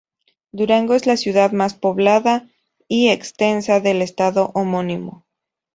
Durango es la ciudad más poblada y extensa del estado homónimo.